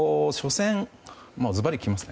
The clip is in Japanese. ずばり聞きますね。